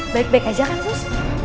baik baik aja kan sus